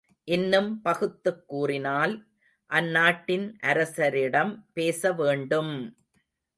இன்னும் பகுத்துக் கூறினால், அந்நாட்டின் அரசரிடம் பேச வேண்டும்!